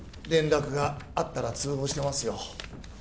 連絡があったら通報してますよ